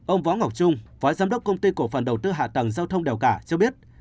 ông võ ngọc trung phó giám đốc công ty cổ phần đầu tư hạ tầng giao thông đèo cả cho biết